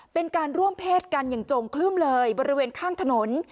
เป็นการร่วมเพศกันอย่างจงคลื้มเลยบริเวณข้างถนน